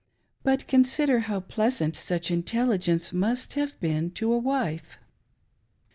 But consider how pleasant such intelligence must have been to a wife